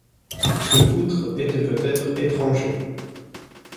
Ce coutre était peut-être étranger.